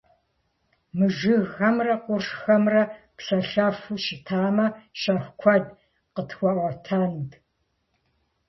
Мы жыгхэмрэ къуршхэмрэ псэлъэфу щытамэ, щэху куэд къытхуаӏуэтэнут.